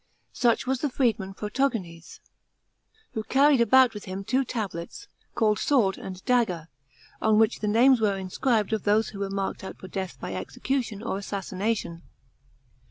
Such was the freerlman Protoo; enes, who carried about with him two tablets calU d Sword and Dagger, on which the names were inscribed of those who were marked out for death by execution or assassination.